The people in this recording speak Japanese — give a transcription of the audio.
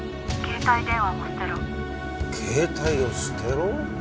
携帯を捨てろ？